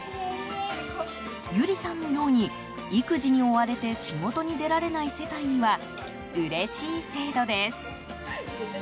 有里さんのように育児に追われて仕事に出られない世帯にはうれしい制度です。